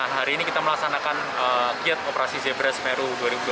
hari ini kita melaksanakan kegiatan operasi zebra smeru dua ribu dua puluh satu